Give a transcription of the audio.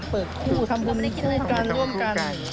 เปิดคู่ทำคุณคุยกันร่วมกัน